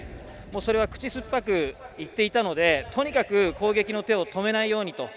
それは口酸っぱく言っていたのでとにかく攻撃の手を止めないようにと。